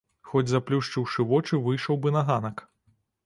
Хоць заплюшчыўшы вочы выйшаў бы на ганак.